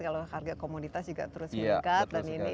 kalau harga komunitas juga terus meningkat